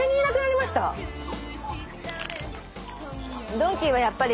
ドンキはやっぱり。